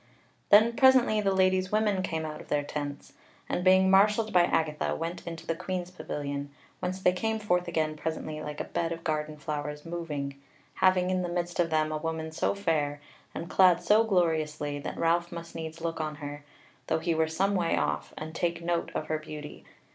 Then presently the Lady's women came out of their tents, and, being marshalled by Agatha, went into the Queen's pavilion, whence they came forth again presently like a bed of garden flowers moving, having in the midst of them a woman so fair, and clad so gloriously, that Ralph must needs look on her, though he were some way off, and take note of her beauty.